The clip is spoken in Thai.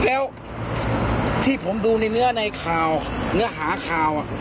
แล้วที่ผมดูในเนื้อหาคาว